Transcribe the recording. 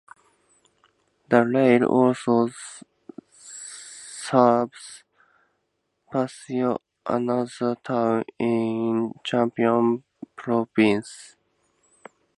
The rail also serves Pathio another town in Chumphon Province.